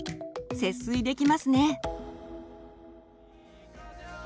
節水できますね。